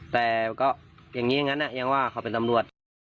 แต่ก็อย่างนี้อย่างนั้นยังว่าเขาเป็นตำรวจ